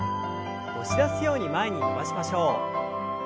押し出すように前に伸ばしましょう。